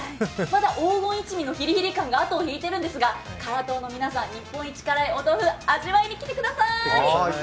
まだ黄金一味のヒリヒリ感があとを引いてるんですが、辛党の皆さん、日本一辛い豆腐、味わいに来てください！